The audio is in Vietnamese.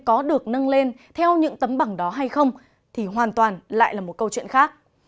có được nâng lên theo những tấm bằng đó hay không thì hoàn toàn lại là một câu chuyện khác